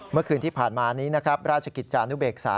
เมื่อคืนที่ผ่านมานี้นะครับราชกิจจานุเบกษา